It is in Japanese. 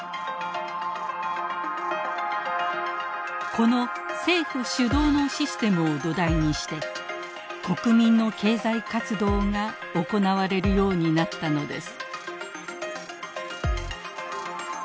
この政府主導のシステムを土台にして国民の経済活動が行われるようになったのです。